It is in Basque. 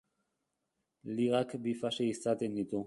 Ligak bi fase izaten ditu.